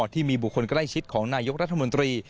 ที่มีบุคคลใกล้ชิดของนายกรัฐมนตรี